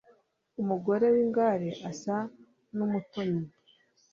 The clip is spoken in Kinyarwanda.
Umugore w’ingare asa n’umutonyi